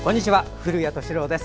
古谷敏郎です。